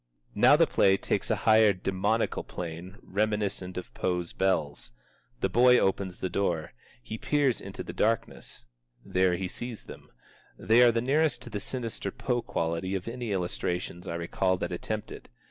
Now the play takes a higher demoniacal plane reminiscent of Poe's Bells. The boy opens the door. He peers into the darkness. There he sees them. They are the nearest to the sinister Poe quality of any illustrations I recall that attempt it.